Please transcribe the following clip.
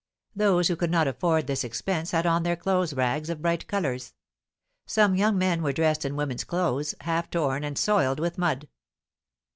Those who could not afford this expense had on their clothes rags of bright colours. Some young men were dressed in women's clothes, half torn and soiled with mud.